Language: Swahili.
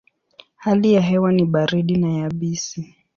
Hali ya hewa ni baridi na yabisi.